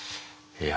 いや。